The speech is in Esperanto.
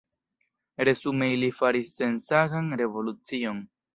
Resume ili faris sensangan revolucion.